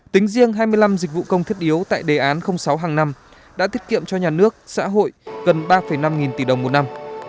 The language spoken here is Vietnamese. tính riêng hai mươi năm dịch vụ công thiết yếu tại đề án sáu hàng năm đã thiết kiệm cho nhà nước xã hội gần ba năm nghìn tỷ đồng một năm